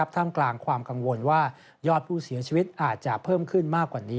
ท่ามกลางความกังวลว่ายอดผู้เสียชีวิตอาจจะเพิ่มขึ้นมากกว่านี้